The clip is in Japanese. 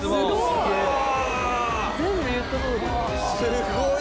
すごい。